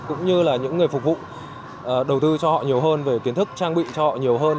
cũng như là những người phục vụ đầu tư cho họ nhiều hơn về kiến thức trang bị cho họ nhiều hơn